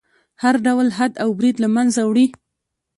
هر ډول حد او برید له منځه وړي.